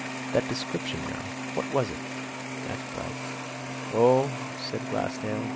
"That description, now? what was it?" asked Bryce. "Oh!" said Glassdale.